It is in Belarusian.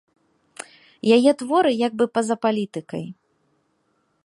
Яе творы як бы па-за палітыкай.